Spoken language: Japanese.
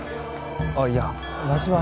あっいやわしは。